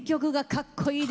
かっこいい！